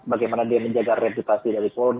bagaimana dia menjaga reputasi dari polri